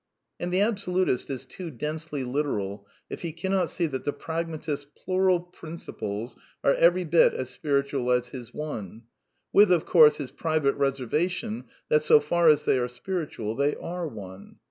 And the absolutist is too densely literal if he cannot see that the pragmatist's plural principles are every bit as spiritual as his one ; with, of course, his private reservation that, so far as they are spiritual, they are one.